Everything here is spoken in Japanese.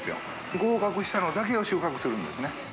合格したのだけを収穫するんですね。